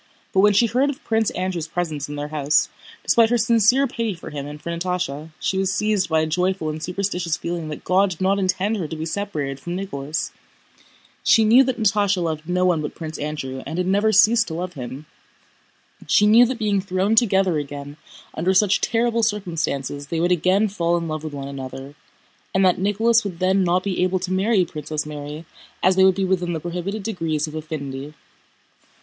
But when she heard of Prince Andrew's presence in their house, despite her sincere pity for him and for Natásha, she was seized by a joyful and superstitious feeling that God did not intend her to be separated from Nicholas. She knew that Natásha loved no one but Prince Andrew and had never ceased to love him. She knew that being thrown together again under such terrible circumstances they would again fall in love with one another, and that Nicholas would then not be able to marry Princess Mary as they would be within the prohibited degrees of affinity.